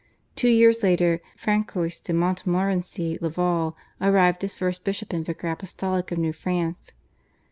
Two years later Francois de Montmorency Laval arrived as first bishop and vicar apostolic of New France.